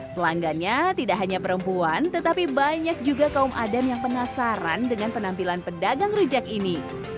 pelanggannya tidak hanya perempuan tetapi banyak juga kaum adam yang penasaran dengan penampilan pedagang rujak ini